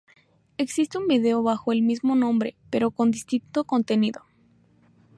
Existe un vídeo bajo el mismo nombre, pero con distinto contenido.